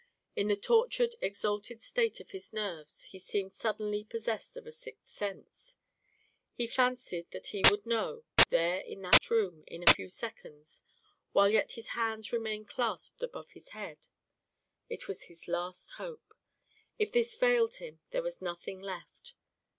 In the tortured exalted state of his nerves he seemed suddenly possessed of a sixth sense; he fancied that he would know, there in that room, in a few seconds, while yet his hands remained clasped above his head. It was his last hope: if this failed him there was nothing left.